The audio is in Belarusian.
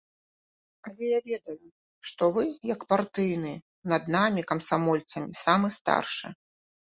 Але я ведаю, што вы, як партыйны, над намі, камсамольцамі, самы старшы.